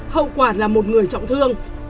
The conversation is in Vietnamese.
hậu quả là một người trọng thương